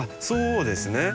そうですね。